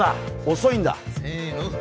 遅いんだ。